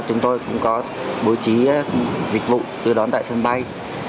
chúng tôi cũng có bố trí dịch vụ đưa đón tại sân bay